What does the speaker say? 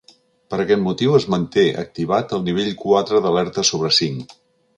Per aquest motiu es manté activat el nivell quatre d’alerta sobre cinc.